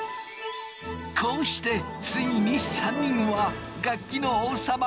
こうしてついに３人は楽器の王様ピアノになった！